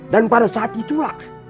dan pada saat itulah